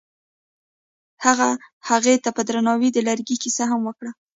هغه هغې ته په درناوي د لرګی کیسه هم وکړه.